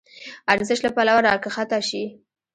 ارزش له پلوه راکښته شي.